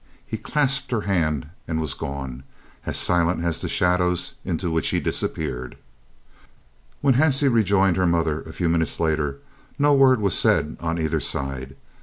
He clasped her hand and was gone, as silent as the shadows into which he disappeared. When Hansie rejoined her mother a few minutes later no word was said on either side.